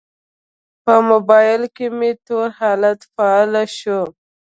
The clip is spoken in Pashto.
په موبایل کې مې تور حالت فعال شو.